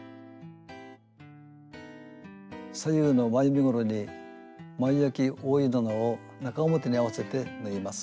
左右の前身ごろに前あき覆い布を中表に合わせて縫います。